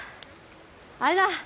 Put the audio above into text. あれだ！